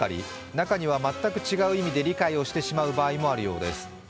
中には、全く違う意味で理解してしまう場合もあるようです。